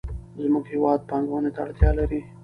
زموږ هېواد پانګونې ته اړتیا لري.